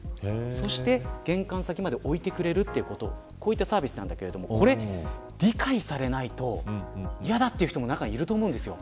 そして、玄関先まで置いてくれるということこういったサービスだけれどもこれ、理解されないと嫌だって言う人も中にはいると思うんですよ。